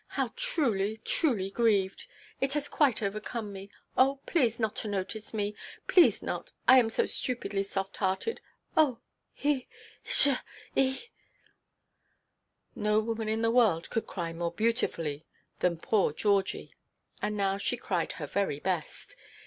How truly, truly grieved—it has quite overcome me. Oh, please not to notice me—please not. I am so stupidly soft–hearted. Oh—ea, isha, ea!" No woman in the world could cry more beautifully than poor Georgie. And now she cried her very best.